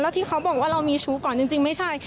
ที่เขาบอกว่าเรามีชู้ก่อนจริงไม่ใช่